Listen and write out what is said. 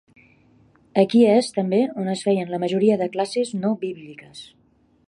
Aquí és també on es feien la majoria de classes no bíbliques.